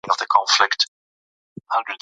ایا په فضا کې اوبه څښل کیږي؟